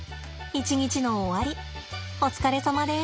一日の終わりお疲れさまです。